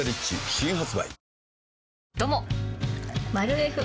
新発売